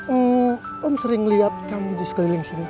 ehm om sering liat kamu di sekeliling sini